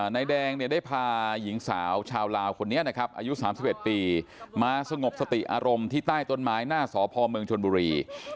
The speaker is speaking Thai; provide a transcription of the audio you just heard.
นายแดงเนี่ยได้พาหญิงสาวชาวลาวคนนี้นะครับอายุ๓๑ปีมาสงบสติอารมณ์ที่ใต้ต้นไม้หน้าสพเมืองชนบุรี